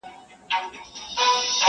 دلته ما په خپلو سترګو دي لیدلي .